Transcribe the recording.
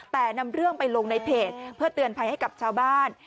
แต่นำเรื่องไปลงในเพจเพื่อเตือนภัยให้กับชาวบ้าน